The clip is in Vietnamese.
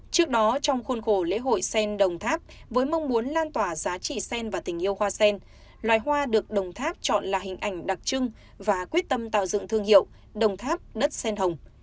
trước đó trong khuôn khổ lễ hội sen đồng tháp với mong muốn lan tỏa giá trị sen và tình yêu hoa sen loài hoa được đồng tháp chọn là hình ảnh đặc trưng và quyết tâm tạo dựng thương hiệu đồng tháp đất sen hồng